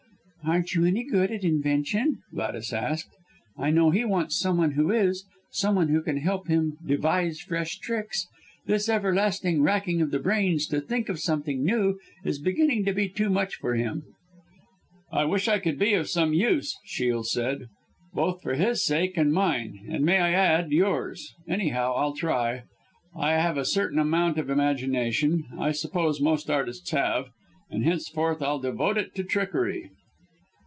"Aren't you any good at invention?" Gladys asked, "I know he wants some one who is some one who can help him devise fresh tricks. This everlasting racking of the brains to think of something new is beginning to be too much for him." "I wish I could be of some use," Shiel said, "both for his sake and mine, and may I add yours. Anyhow I'll try. I have a certain amount of imagination I suppose most artists have, and henceforth I'll devote it to trickery."